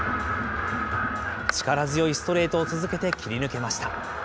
力強いストレートを続けて切り抜けました。